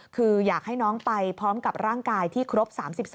คืออยากให้น้องไปพร้อมกับร่างกายที่ครบ๓๒